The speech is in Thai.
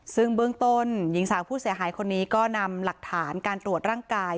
ซึ่งเบื้องต้นหญิงสาวผู้เสียหายคนนี้ก็นำหลักฐานการตรวจร่างกาย